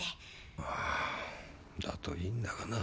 だといいんだがな。